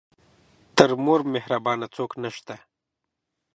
تر مور مهربانه څوک نه شته .